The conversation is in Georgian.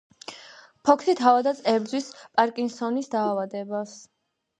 ფოქსი თავადაც ებრძვის პარკინსონის დაავადებას.